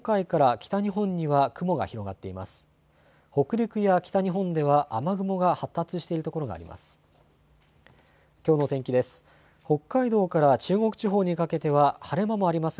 北陸や北日本では雨雲が発達しているところがあります。